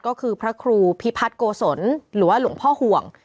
ก็คือพระครูพิพัฒน์โกศลหรือว่าหลวงพ่อห่วง